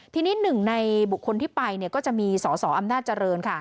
ทีนี้หนึ่งในบุคคลที่ไปก็จะมีสอสออำนาจเจริญค่ะ